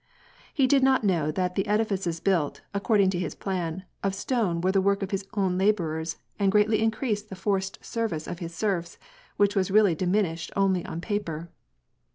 He did not know that the edifices built, according to his plan, of stone were the work of his own laborers, and greatly in creased the forced service of his serfs, which was really di minished only on paper.